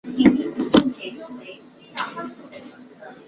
秘书处逐渐成长为一匹魁伟且强而有力的马匹。